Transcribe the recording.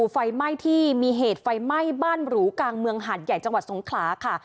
ไฟไหม้ที่มีเหตุไฟไหม้บ้านหรูกลางเมืองหาดใหญ่จังหวัดสงขลาค่ะ